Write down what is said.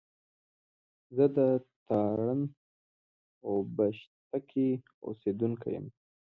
زه د تارڼ اوبښتکۍ اوسېدونکی يم